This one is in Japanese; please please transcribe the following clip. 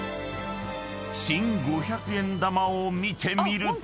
［新５００円玉を見てみると］